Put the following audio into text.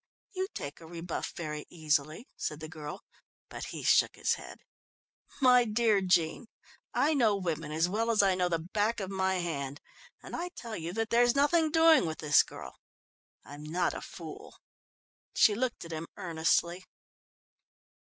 "You take a rebuff very easily," said the girl, but he shook his head. "My dear Jean, I know women as well as I know the back of my hand, and I tell you that there's nothing doing with this girl. I'm not a fool." She looked at him earnestly.